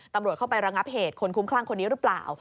ตำรวจเข้าไประงับเหตุคนคุ้มคลั่งคนนี้หรือเปล่า